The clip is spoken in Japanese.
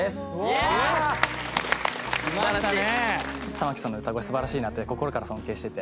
玉置さんの歌声素晴らしいなって心から尊敬してて。